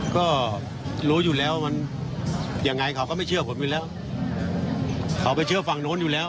ก็รู้อยู่แล้วมันยังไงเขาก็ไม่เชื่อผมอยู่แล้วเขาไปเชื่อฝั่งโน้นอยู่แล้ว